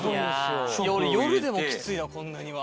夜でもきついなぁこんなには。